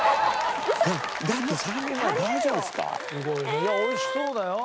いや美味しそうだよ。